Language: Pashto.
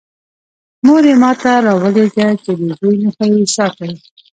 مور یې ما ته راولېږه چې د زوی نښه یې ساتی.